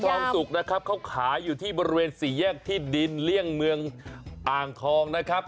ทองสุกนะครับเขาขายอยู่ที่บริเวณสี่แยกที่ดินเลี่ยงเมืองอ่างทองนะครับ